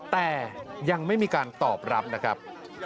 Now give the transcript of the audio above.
แต่ยังไม่มีการตอบรับนะครับ